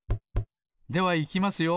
ではいきますよ。